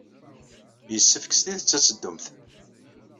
Yessefk s tidet ad teddumt.